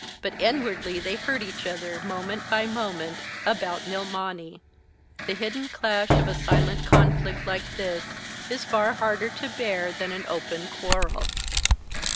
But inwardly they hurt each other, moment by moment, about Nilmani. The hidden clash of a silent conflict like this is far harder to bear than an open quarrel.